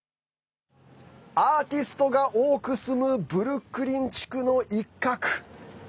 アーティストが多く住むブルックリン地区の一角。